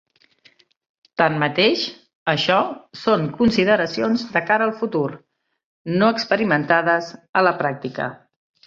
Tanmateix això són consideracions de cara al futur, no experimentades a la pràctica.